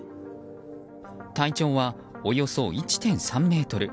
体長は、およそ１．３ｍ。